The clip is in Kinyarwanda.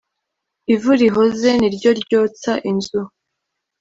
Ivu rihoze ni ryo ryotsa inzu.